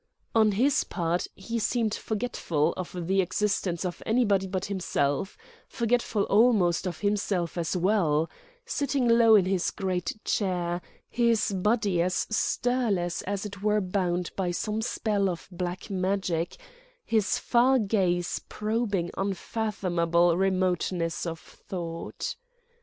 On his part he seemed forgetful of the existence of anybody but himself, forgetful almost of himself as well: sitting low in his great chair, his body as stirless as it were bound by some spell of black magic, his far gaze probing unfathomable remotenesses of thought.